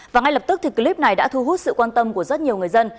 và ngay lập tức thì clip này đã thu hút sự quan tâm của rất nhiều người dân